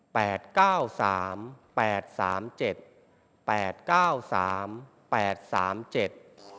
เก้าสามแปดสามเจ็ดแปดเก้าสามแปดสามเจ็ด